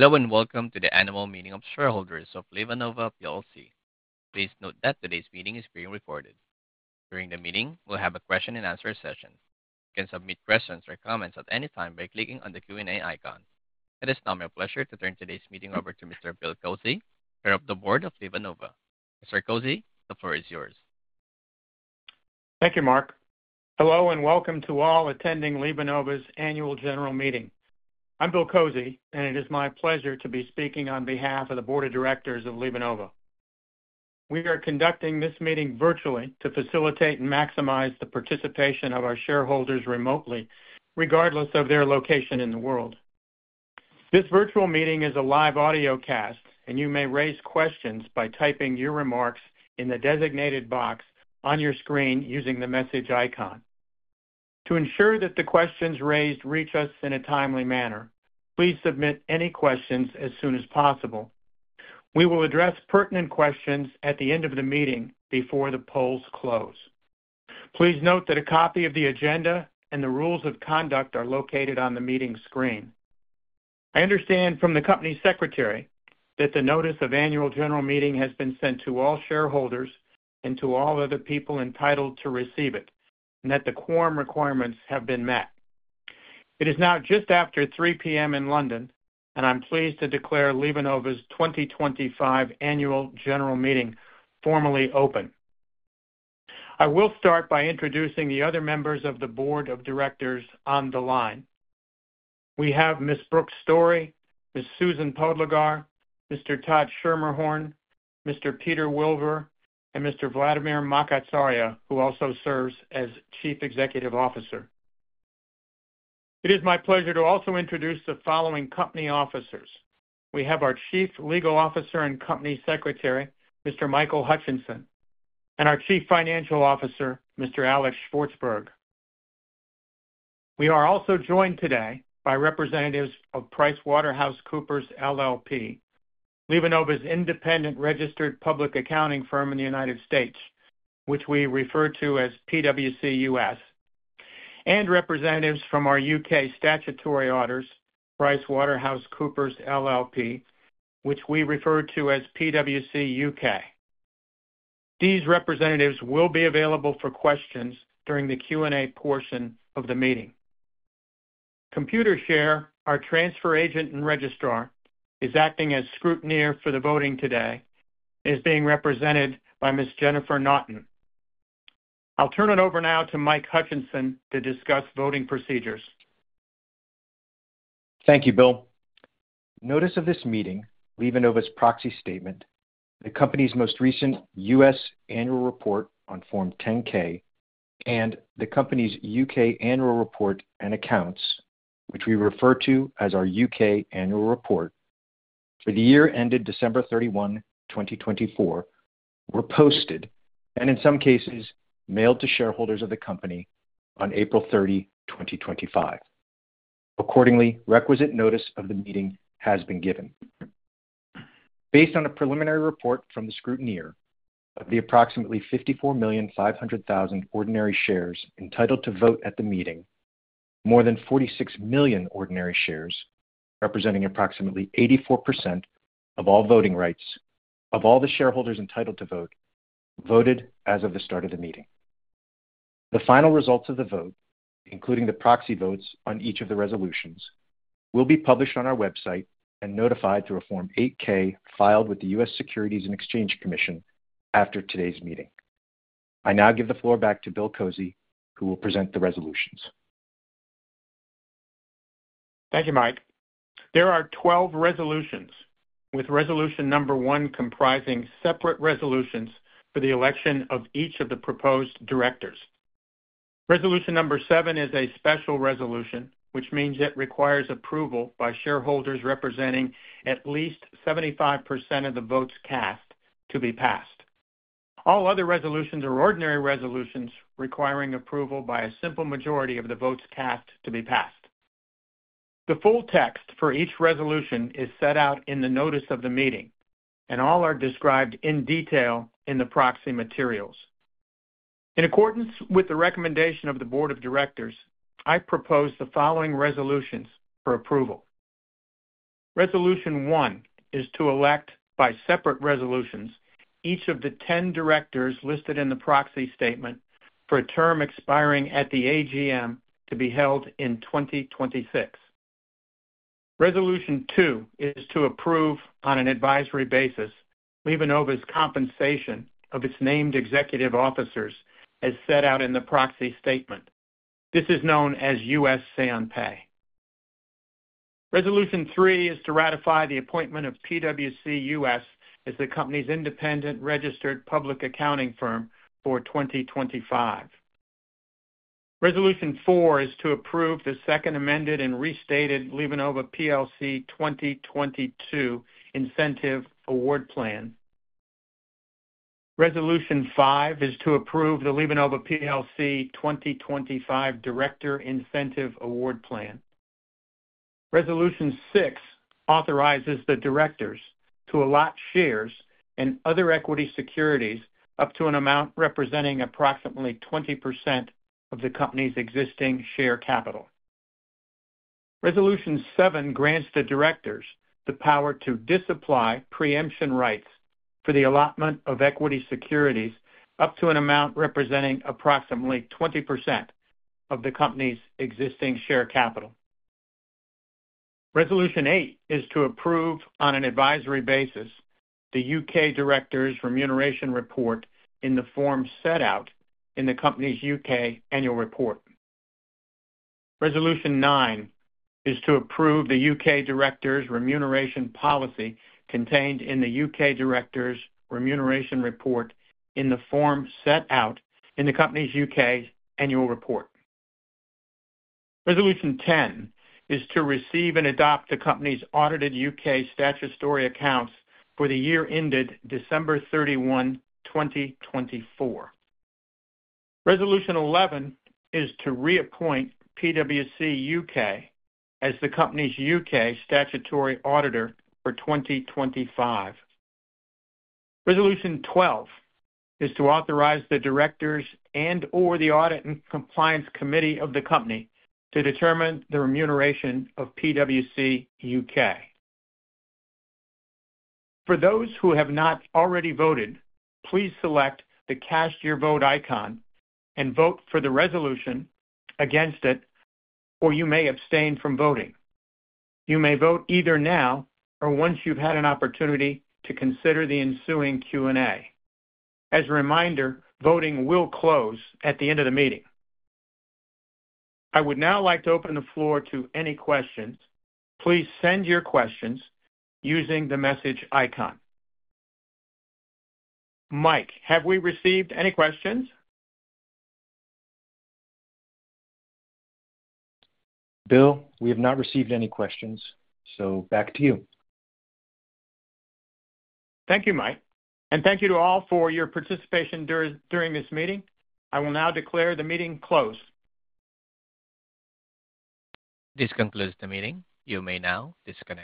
Hello and welcome to the Annual Meeting of Shareholders of LivaNova PLC. Please note that today's meeting is being recorded. During the meeting, we'll have a question-and-answer session. You can submit questions or comments at any time by clicking on the Q&A icon. It is now my pleasure to turn today's meeting over to Mr. Bill Kozy, Chair of the Board of LivaNova. Mr. Kozy, the floor is yours. Thank you, Mark. Hello and welcome to all attending LivaNova's Annual General Meeting. I'm Bill Kozy, and it is my pleasure to be speaking on behalf of the Board of Directors of LivaNova. We are conducting this meeting virtually to facilitate and maximize the participation of our shareholders remotely, regardless of their location in the world. This virtual meeting is a live audio cast, and you may raise questions by typing your remarks in the designated box on your screen using the message icon. To ensure that the questions raised reach us in a timely manner, please submit any questions as soon as possible. We will address pertinent questions at the end of the meeting before the polls close. Please note that a copy of the agenda and the rules of conduct are located on the meeting screen. I understand from the Company Secretary that the Notice of Annual General Meeting has been sent to all shareholders and to all other people entitled to receive it, and that the quorum requirements have been met. It is now just after 3:00 P.M. in London, and I'm pleased to declare LivaNova's 2025 Annual General Meeting formally open. I will start by introducing the other members of the Board of Directors on the line. We have Ms. Brooke Story, Ms. Susan Podlegar, Mr. Tad Schermerhorn, Mr. Peter Wilber, and Mr. Vladimir Makatsaria, who also serves as Chief Executive Officer. It is my pleasure to also introduce the following Company Officers. We have our Chief Legal Officer and Company Secretary, Mr. Michael Hutchinson, and our Chief Financial Officer, Mr. Alex Shvartsburg. We are also joined today by representatives of PricewaterhouseCoopers LLP, LivaNova's independent registered public accounting firm in the United States, which we refer to as PWC US, and representatives from our UK statutory auditors, PricewaterhouseCoopers LLP, which we refer to as PWC UK. These representatives will be available for questions during the Q&A portion of the meeting. Computer share, our transfer agent and registrar, is acting as scrutineer for the voting today and is being represented by Ms. Jennifer Naughton. I'll turn it over now to Mike Hutchinson to discuss voting procedures. Thank you, Bill. Notice of this meeting, LivaNova's proxy statement, the Company's most recent U.S. Annual Report on Form 10-K, and the Company's U.K. Annual Report and Accounts, which we refer to as our U.K. Annual Report for the year ended December 31, 2024, were posted and, in some cases, mailed to shareholders of the Company on April 30, 2025. Accordingly, requisite notice of the meeting has been given. Based on a preliminary report from the scrutineer of the approximately 54,500,000 ordinary shares entitled to vote at the meeting, more than 46 million ordinary shares, representing approximately 84% of all voting rights of all the shareholders entitled to vote, voted as of the start of the meeting. The final results of the vote, including the proxy votes on each of the resolutions, will be published on our website and notified through a Form 8-K filed with the US Securities and Exchange Commission after today's meeting. I now give the floor back to Bill Kozy, who will present the resolutions. Thank you, Mike. There are 12 resolutions, with Resolution Number 1 comprising separate resolutions for the election of each of the proposed directors. Resolution Number 7 is a special resolution, which means it requires approval by shareholders representing at least 75% of the votes cast to be passed. All other resolutions are ordinary resolutions requiring approval by a simple majority of the votes cast to be passed. The full text for each resolution is set out in the Notice of the Meeting, and all are described in detail in the proxy materials. In accordance with the recommendation of the Board of Directors, I propose the following resolutions for approval. Resolution 1 is to elect, by separate resolutions, each of the 10 directors listed in the proxy statement for a term expiring at the AGM to be held in 2026. Resolution 2 is to approve, on an advisory basis, LivaNova's compensation of its named executive officers, as set out in the proxy statement. This is known as US Say-on-Pay. Resolution 3 is to ratify the appointment of PWC US as the Company's independent registered public accounting firm for 2025. Resolution 4 is to approve the second-amended and restated LivaNova PLC 2022 Incentive Award Plan. Resolution 5 is to approve the LivaNova PLC 2025 Director Incentive Award Plan. Resolution 6 authorizes the directors to allot shares and other equity securities up to an amount representing approximately 20% of the Company's existing share capital. Resolution 7 grants the directors the power to disapply preemption rights for the allotment of equity securities up to an amount representing approximately 20% of the Company's existing share capital. Resolution 8 is to approve, on an advisory basis, the U.K. Directors' Remuneration Report in the form set out in the Company's U.K. Annual Report. Resolution 9 is to approve the U.K. Directors' Remuneration Policy contained in the U.K. Directors' Remuneration Report in the form set out in the Company's U.K. Annual Report. Resolution 10 is to receive and adopt the Company's audited U.K. statutory accounts for the year ended December 31, 2024. Resolution 11 is to reappoint PWC U.K. as the Company's U.K. statutory auditor for 2025. Resolution 12 is to authorize the directors and/or the audit and compliance committee of the Company to determine the remuneration of PWC U.K. For those who have not already voted, please select the Cast Your Vote icon and vote for the resolution, against it, or you may abstain from voting. You may vote either now or once you've had an opportunity to consider the ensuing Q&A. As a reminder, voting will close at the end of the meeting. I would now like to open the floor to any questions. Please send your questions using the message icon. Mike, have we received any questions? Bill, we have not received any questions, so back to you. Thank you, Mike, and thank you to all for your participation during this meeting. I will now declare the meeting closed. This concludes the meeting. You may now disconnect.